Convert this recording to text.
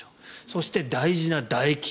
そして大事な、だ液。